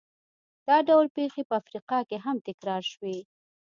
دا ډول پېښې په افریقا کې هم تکرار شوې.